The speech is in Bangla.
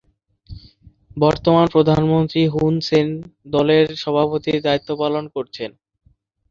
বর্তমান প্রধানমন্ত্রী হুন সেন দলের সভাপতির দায়িত্ব পালন করছেন।